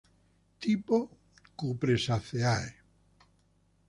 Tipo: Cupressaceae.